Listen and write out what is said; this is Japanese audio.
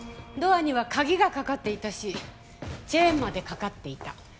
ドアには鍵が掛かっていたしチェーンまで掛かっていた。